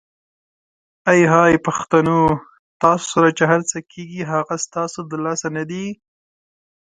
آی های پښتنو ! تاسو سره چې هرڅه کیږي هغه ستاسو د لاسه ندي؟!